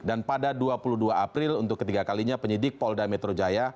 dan pada dua puluh dua april untuk ketiga kalinya penyidik polda metro jaya